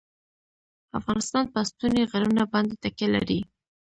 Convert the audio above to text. افغانستان په ستوني غرونه باندې تکیه لري.